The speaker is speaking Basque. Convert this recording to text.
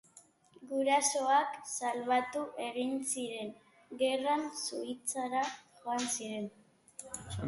Gurasoak salbatu egin ziren; gerran Suitzara joan ziren.